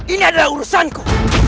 ini adalah urusanku